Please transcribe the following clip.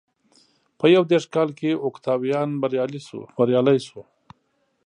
په یو دېرش کال کې اوکتاویان بریالی شو.